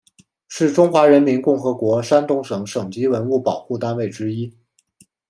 是中华人民共和国山东省省级文物保护单位之一。